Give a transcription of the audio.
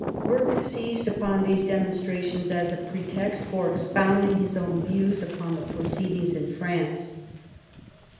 Burke seized upon these demonstrations as a pretext for expounding his own views upon the proceedings in France.